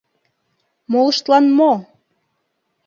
Молыштлан мо!